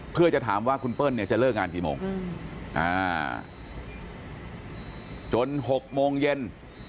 เพื่อจะถามว่าคุณเปิ้ลเนี่ยจะเลิกงานกี่โมงจน๖โมงเย็น